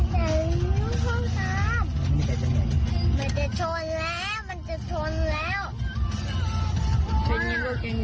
เคยรู้จักคนมันกองสงสัยอยู่ในตีนกองสัย